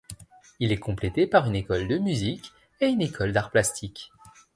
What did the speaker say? Il est complété par une école de musique et une école d’arts plastiques.